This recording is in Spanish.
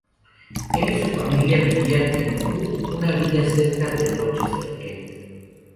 Él y su familia vivían en Hoo, una villa cerca de Rochester, Kent.